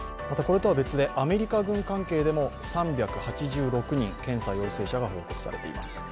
また、これとは別でアメリカ軍関係でも３８６人、検査陽性者が報告されています。